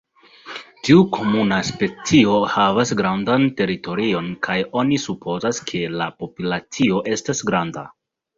Tiu komuna specio havas grandan teritorion kaj oni supozas, ke la populacio estas granda.